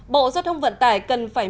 bộ giao thông vận tải cần phải